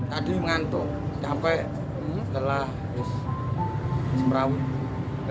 tadi mengantuk capek setelah semraut